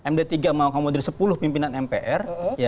md tiga mau kemudian sepuluh pimpinan mpr